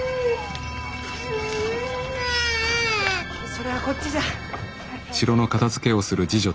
それはこっちじゃ。